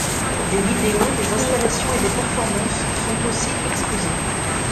Des vidéos, des installations et des performances sont aussi exposées.